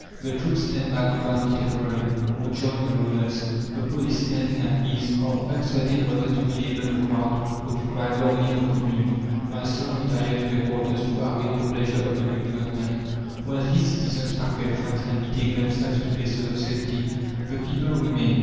The troops stand by without interfering, or join the rebels. The police, standing at ease, are uncertain whether to belabour the crowd, or to cry: "Long live the Commune!" while some retire to their quarters to "await the pleasure of the new Government." Wealthy citizens pack their trunks and betake themselves to places of safety. The people remain.